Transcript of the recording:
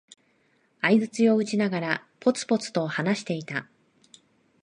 相づちを打ちながら、ぽつぽつと話していた。